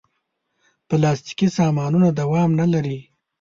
پلاستيکي سامانونه دوام نه لري.